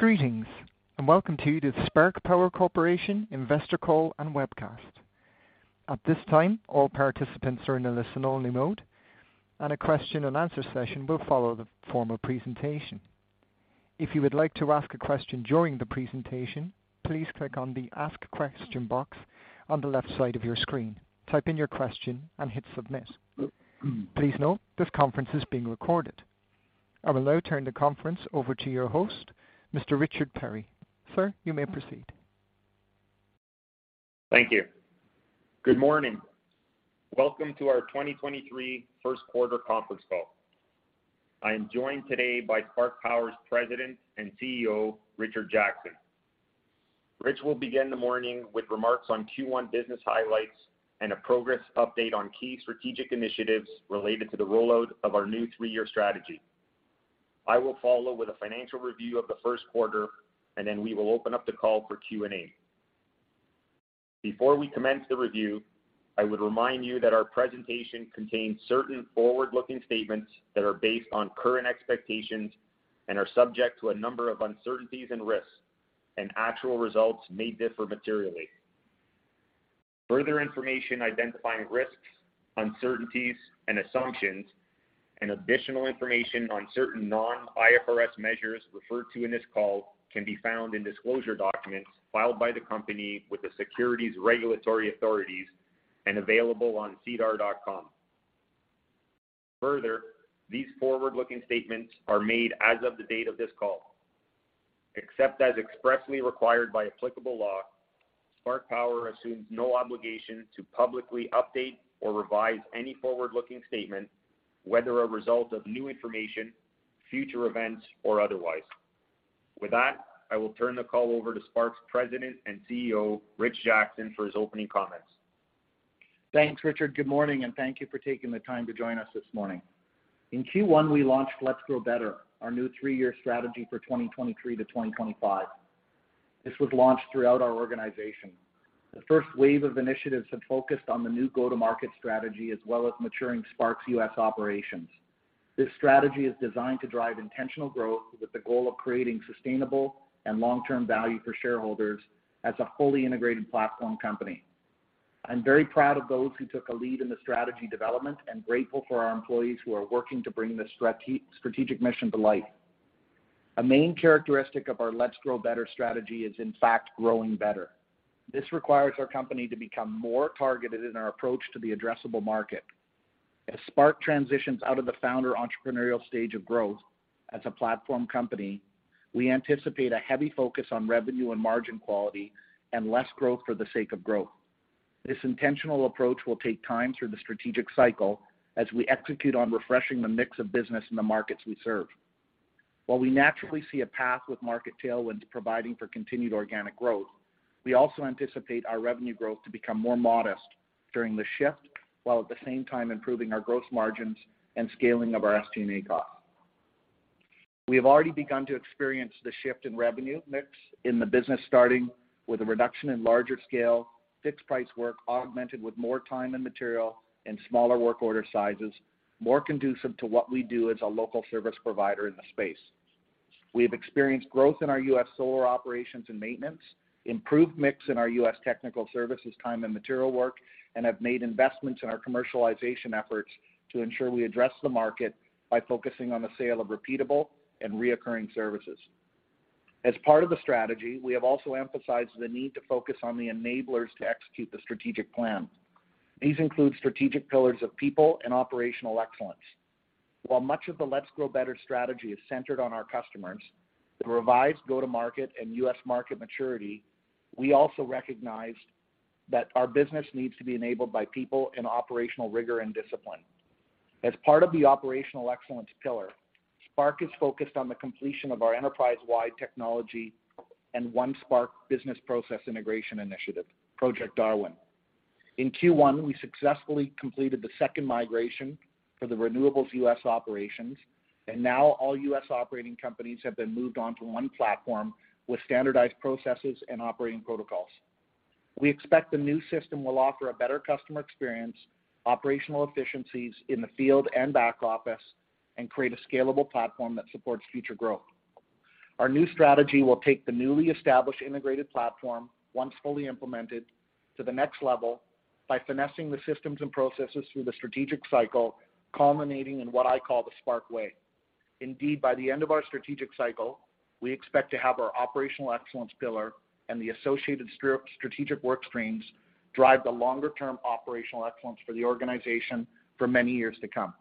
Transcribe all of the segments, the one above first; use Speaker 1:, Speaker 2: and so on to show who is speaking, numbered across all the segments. Speaker 1: Greetings, welcome to the Spark Power Corp. Investor Call and Webcast. At this time, all participants are in a listen-only mode, and a question-and-answer session will follow the formal presentation. If you would like to ask a question during the presentation, please click on the Ask Question box on the left side of your screen, type in your question, and hit Submit. Please note this conference is being recorded. I will now turn the conference over to your host, Mr. Richard Perri. Sir, you may proceed.
Speaker 2: Thank you. Good morning. Welcome to our 2023 1st quarter conference call. I am joined today by Spark Power's President and CEO, Richard Jackson. Rich will begin the morning with remarks on Q1 business highlights and a progress update on key strategic initiatives related to the rollout of our new 3-year strategy. I will follow with a financial review of the 1st quarter, then we will open up the call for Q&A. Before we commence the review, I would remind you that our presentation contains certain forward-looking statements that are based on current expectations and are subject to a number of uncertainties and risks, actual results may differ materially. Further information identifying risks, uncertainties, and assumptions, and additional information on certain non-IFRS measures referred to in this call can be found in disclosure documents filed by the company with the securities regulatory authorities and available on sedar.com. These forward-looking statements are made as of the date of this call. Except as expressly required by applicable law, Spark Power assumes no obligation to publicly update or revise any forward-looking statement, whether a result of new information, future events, or otherwise. I will turn the call over to Spark's President and CEO, Rich Jackson, for his opening comments.
Speaker 3: Thanks, Richard. Good morning, thank you for taking the time to join us this morning. In Q1, we launched Let's Grow Better, our new three-year strategy for 2023 to 2025. This was launched throughout our organization. The first wave of initiatives have focused on the new go-to-market strategy as well as maturing Spark's U.S. operations. This strategy is designed to drive intentional growth with the goal of creating sustainable and long-term value for shareholders as a fully integrated platform company. I'm very proud of those who took a lead in the strategy development and grateful for our employees who are working to bring this strategic mission to life. A main characteristic of our Let's Grow Better strategy is, in fact, growing better. This requires our company to become more targeted in our approach to the addressable market. As Spark transitions out of the founder entrepreneurial stage of growth as a platform company, we anticipate a heavy focus on revenue and margin quality and less growth for the sake of growth. This intentional approach will take time through the strategic cycle as we execute on refreshing the mix of business in the markets we serve. While we naturally see a path with market tailwind providing for continued organic growth, we also anticipate our revenue growth to become more modest during the shift, while at the same time improving our gross margins and scaling of our STM&A costs. We have already begun to experience the shift in revenue mix in the business, starting with a reduction in larger scale, fixed-price work augmented with more time and material and smaller work order sizes, more conducive to what we do as a local service provider in the space. We have experienced growth in our US solar operations and maintenance, improved mix in our US Technical Services time and material work, and have made investments in our commercialization efforts to ensure we address the market by focusing on the sale of repeatable and reoccurring services. As part of the strategy, we have also emphasized the need to focus on the enablers to execute the strategic plan. These include strategic pillars of people and operational excellence. While much of the Let's Grow Better strategy is centered on our customers, the revised go-to-market and US market maturity, we also recognized that our business needs to be enabled by people in operational rigor and discipline. As part of the operational excellence pillar, Spark is focused on the completion of our enterprise-wide technology and One Spark business process integration initiative, Project Darwin. In Q1, we successfully completed the second migration for the renewables U.S. operations. Now all U.S. operating companies have been moved onto one platform with standardized processes and operating protocols. We expect the new system will offer a better customer experience, operational efficiencies in the field and back office, and create a scalable platform that supports future growth. Our new strategy will take the newly established integrated platform, once fully implemented, to the next level by finessing the systems and processes through the strategic cycle, culminating in what I call the Spark way. Indeed, by the end of our strategic cycle, we expect to have our operational excellence pillar and the associated strategic work streams drive the longer-term operational excellence for the organization for many years to come.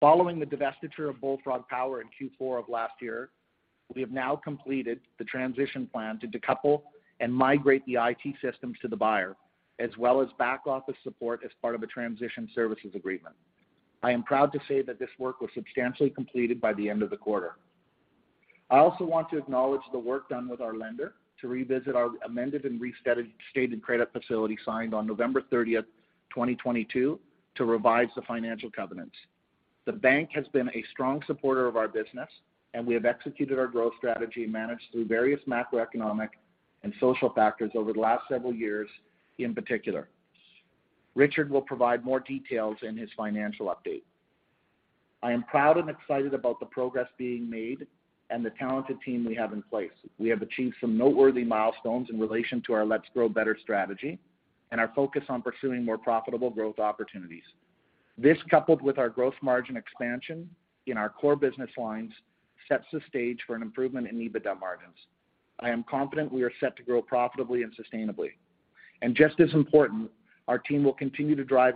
Speaker 3: Following the divestiture of Bullfrog Power in Q4 of last year, we have now completed the transition plan to decouple and migrate the IT systems to the buyer, as well as back-office support as part of a transition services agreement. I am proud to say that this work was substantially completed by the end of the quarter. I also want to acknowledge the work done with our lender to revisit our amended and restated credit facility signed on November 30, 2022, to revise the financial covenants. We have executed our growth strategy managed through various macroeconomic and social factors over the last several years, in particular. Richard will provide more details in his financial update. I am proud and excited about the progress being made and the talented team we have in place. We have achieved some noteworthy milestones in relation to our Let's Grow Better strategy and our focus on pursuing more profitable growth opportunities. This, coupled with our growth margin expansion in our core business lines, sets the stage for an improvement in EBITDA margins. I am confident we are set to grow profitably and sustainably. Just as important, our team will continue to drive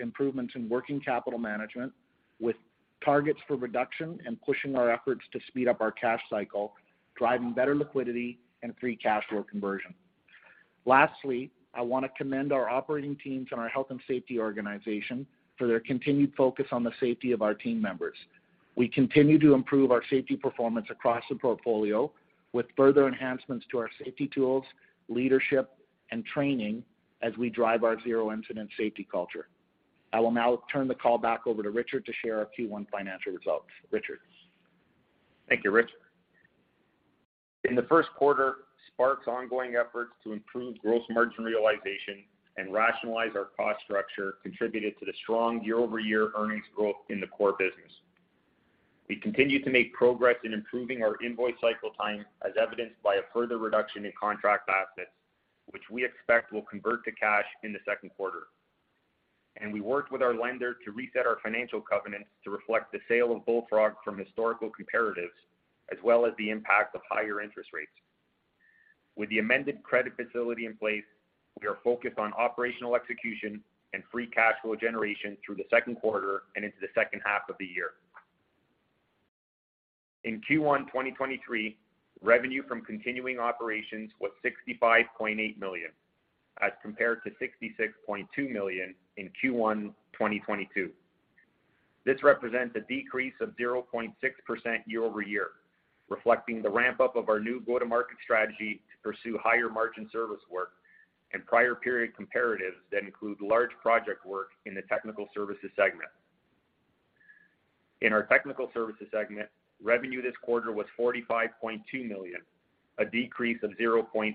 Speaker 3: improvements in working capital management with targets for reduction and pushing our efforts to speed up our cash cycle, driving better liquidity and free cash flow conversion. Lastly, I wanna commend our operating teams and our health and safety organization for their continued focus on the safety of our team members. We continue to improve our safety performance across the portfolio with further enhancements to our safety tools, leadership and training as we drive our zero incident safety culture. I will now turn the call back over to Richard to share our Q1 financial results. Richard.
Speaker 2: Thank you, Rich. In the first quarter, Spark Power's ongoing efforts to improve gross margin realization and rationalize our cost structure contributed to the strong year-over-year earnings growth in the core business. We continue to make progress in improving our invoice cycle time, as evidenced by a further reduction in contract assets, which we expect will convert to cash in the second quarter. We worked with our lender to reset our financial covenants to reflect the sale of Bullfrog Power Inc. from historical comparatives, as well as the impact of higher interest rates. With the amended credit facility in place, we are focused on operational execution and free cash flow generation through the second quarter and into the second half of the year. In Q1 2023, revenue from continuing operations was 65.8 million, as compared to 66.2 million in Q1 2022. This represents a decrease of 0.6% year-over-year, reflecting the ramp-up of our new go-to-market strategy to pursue higher margin service work and prior period comparatives that include large project work in the Technical Services segment. In our Technical Services segment, revenue this quarter was 45.2 million, a decrease of 0.8%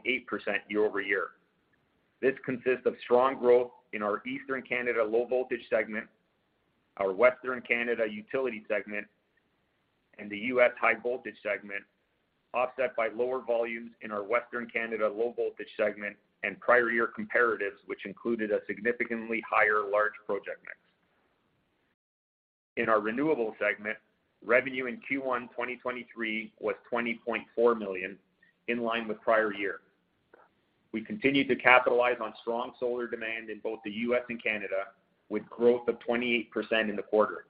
Speaker 2: year-over-year. This consists of strong growth in our Eastern Canada low voltage segment, our Western Canada utility segment, and the US high voltage segment, offset by lower volumes in our Western Canada low voltage segment and prior year comparatives, which included a significantly higher large project mix. In our renewables segment, revenue in Q1 2023 was 20.4 million, in line with prior year. We continued to capitalize on strong solar demand in both the US and Canada, with growth of 28% in the quarter.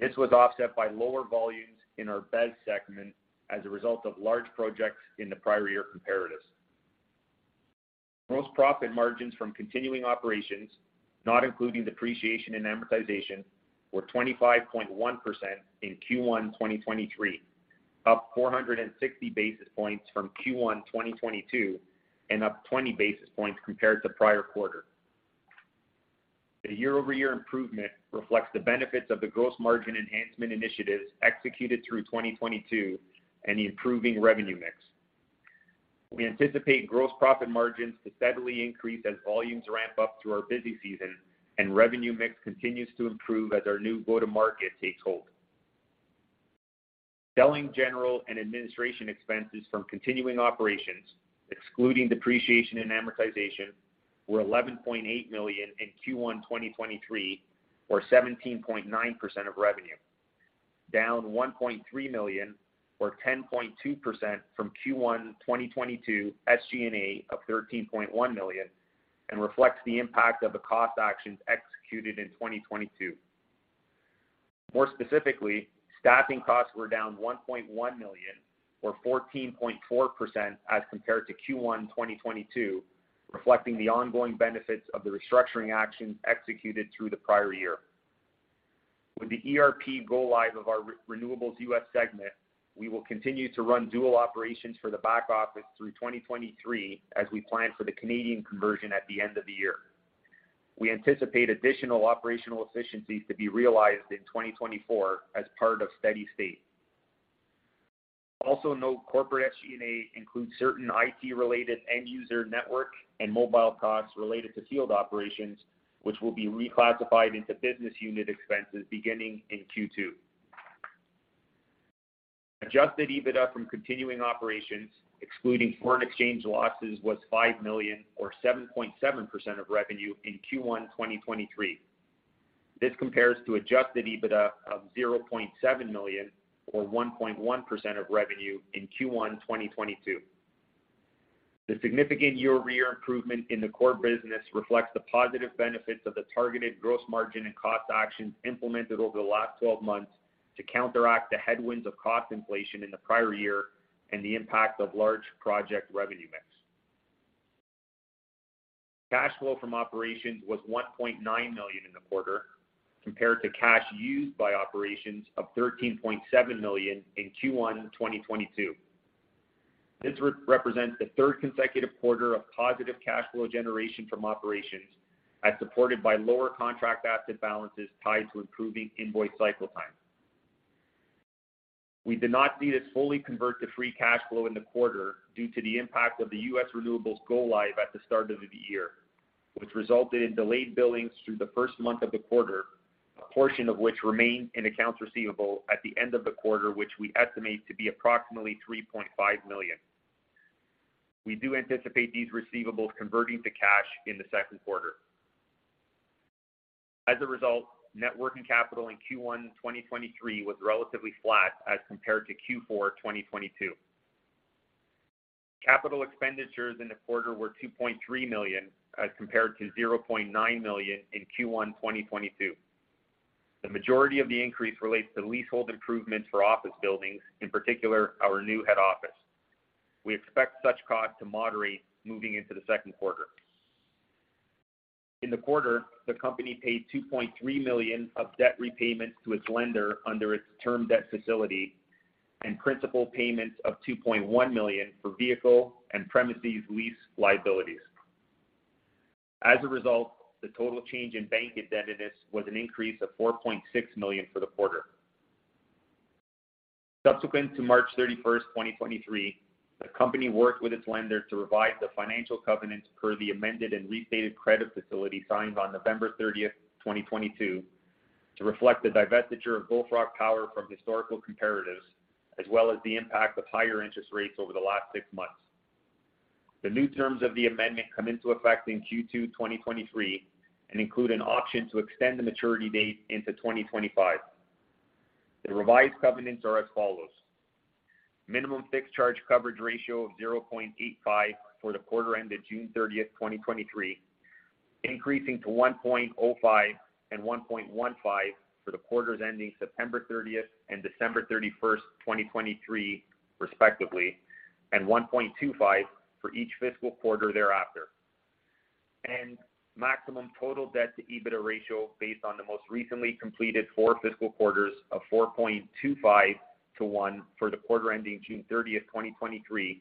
Speaker 2: This was offset by lower volumes in our BEV segment as a result of large projects in the prior year comparatives. Gross profit margins from continuing operations, not including depreciation and amortization, were 25.1% in Q1 2023, up 460 basis points from Q1 2022 and up 20 basis points compared to prior quarter. The year-over-year improvement reflects the benefits of the gross margin enhancement initiatives executed through 2022 and the improving revenue mix. We anticipate gross profit margins to steadily increase as volumes ramp up through our busy season and revenue mix continues to improve as our new go-to-market takes hold. Selling, general and administration expenses from continuing operations, excluding depreciation and amortization, were 11.8 million in Q1 2023, or 17.9% of revenue, down 1.3 million or 10.2% from Q1 2022 SG&A of 13.1 million and reflects the impact of the cost actions executed in 2022. More specifically, staffing costs were down 1.1 million or 14.4% as compared to Q1 2022, reflecting the ongoing benefits of the restructuring actions executed through the prior year. With the ERP go-live of our renewables US segment, we will continue to run dual operations for the back office through 2023 as we plan for the Canadian conversion at the end of the year. We anticipate additional operational efficiencies to be realized in 2024 as part of steady state. Also note corporate SG&A includes certain IT-related end user network and mobile costs related to field operations, which will be reclassified into business unit expenses beginning in Q2. Adjusted EBITDA from continuing operations, excluding foreign exchange losses, was 5 million or 7.7% of revenue in Q1 2023. This compares to adjusted EBITDA of 0.7 million or 1.1% of revenue in Q1 2022. The significant year-over-year improvement in the core business reflects the positive benefits of the targeted gross margin and cost actions implemented over the last 12 months to counteract the headwinds of cost inflation in the prior year and the impact of large project revenue mix. Cash flow from operations was 1.9 million in the quarter compared to cash used by operations of 13.7 million in Q1 2022. This re-represents the third consecutive quarter of positive cash flow generation from operations as supported by lower contract asset balances tied to improving invoice cycle time. We did not see this fully convert to free cash flow in the quarter due to the impact of the US renewables go live at the start of the year, which resulted in delayed billings through the first month of the quarter, a portion of which remained in accounts receivable at the end of the quarter, which we estimate to be approximately 3.5 million. We do anticipate these receivables converting to cash in the second quarter. As a result, net working capital in Q1 2023 was relatively flat as compared to Q4 2022. Capital expenditures in the quarter were 2.3 million as compared to 0.9 million in Q1 2022. The majority of the increase relates to leasehold improvements for office buildings, in particular our new head office. We expect such costs to moderate moving into the second quarter. In the quarter, the company paid 2.3 million of debt repayments to its lender under its term debt facility and principal payments of 2.1 million for vehicle and premises lease liabilities. As a result, the total change in bank indebtedness was an increase of 4.6 million for the quarter. Subsequent to March 31, 2023, the company worked with its lender to revise the financial covenants per the amended and restated credit facility signed on November 30, 2022 to reflect the divestiture of Bullfrog Power from historical comparatives, as well as the impact of higher interest rates over the last 6 months. The new terms of the amendment come into effect in Q2 2023 and include an option to extend the maturity date into 2025. The revised covenants are as follows: Minimum fixed charge coverage ratio of 0.85 for the quarter ended June 30, 2023, increasing to 1.05 and 1.15 for the quarters ending September 30, 2023 and December 31, 2023, respectively, and 1.25 for each fiscal quarter thereafter. Maximum total debt to EBITDA ratio based on the most recently completed four fiscal quarters of 4.25 to 1 for the quarter ending June 30, 2023,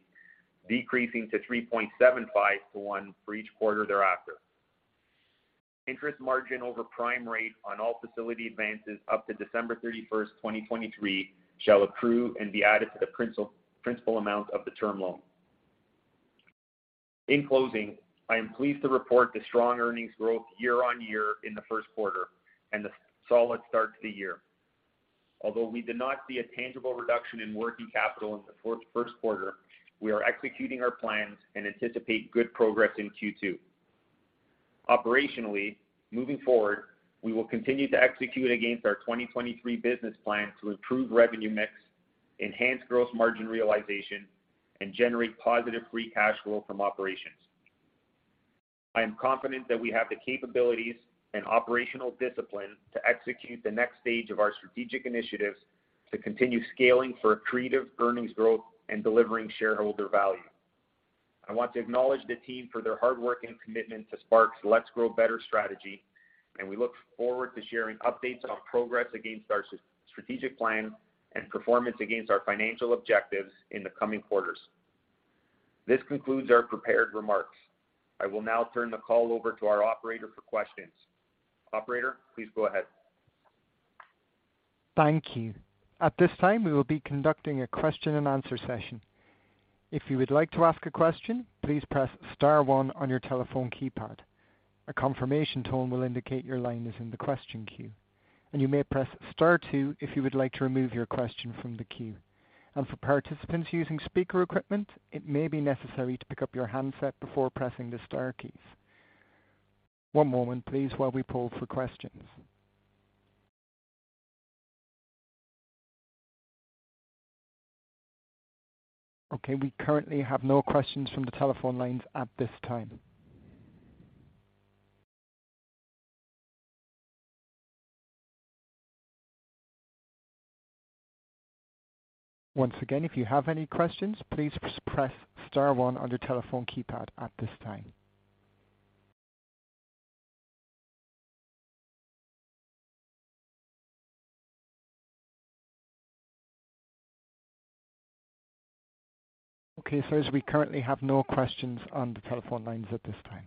Speaker 2: decreasing to 3.75 to 1 for each quarter thereafter. Interest margin over prime rate on all facility advances up to December 31st, 2023, shall accrue and be added to the principal amount of the term loan. In closing, I am pleased to report the strong earnings growth year-on-year in the first quarter and the solid start to the year. Although we did not see a tangible reduction in working capital in the first quarter, we are executing our plans and anticipate good progress in Q2. Operationally, moving forward, we will continue to execute against our 2023 business plan to improve revenue mix, enhance gross margin realization, and generate positive free cash flow from operations. I am confident that we have the capabilities and operational discipline to execute the next stage of our strategic initiatives to continue scaling for accretive earnings growth and delivering shareholder value. I want to acknowledge the team for their hard work and commitment to Spark's Let's Grow Better strategy. We look forward to sharing updates on progress against our strategic plan and performance against our financial objectives in the coming quarters. This concludes our prepared remarks. I will now turn the call over to our operator for questions. Operator, please go ahead.
Speaker 1: Thank you. At this time, we will be conducting a question and answer session. If you would like to ask a question, please press star 1 on your telephone keypad. A confirmation tone will indicate your line is in the question queue. You may press star 2 if you would like to remove your question from the queue. For participants using speaker equipment, it may be necessary to pick up your handset before pressing the star keys. One moment please while we poll for questions. Okay, we currently have no questions from the telephone lines at this time. Once again, if you have any questions, please press star 1 on your telephone keypad at this time. Okay, as we currently have no questions on the telephone lines at this time.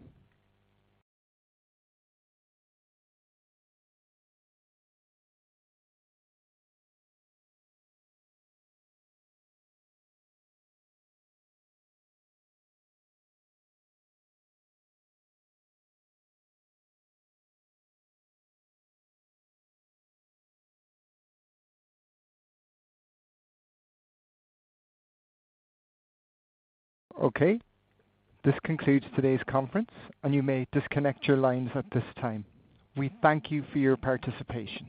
Speaker 1: Okay, this concludes today's conference, and you may disconnect your lines at this time. We thank you for your participation.